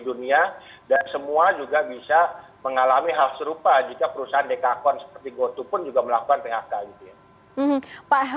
di dunia dan semua juga bisa mengalami hal serupa jika perusahaan dekakon seperti gotu pun juga melakukan phk